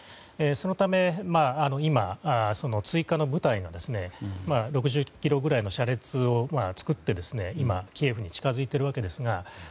そのため今、追加の部隊が６０ｋｍぐらいの車列を作って今、キエフに近づいているわけですが。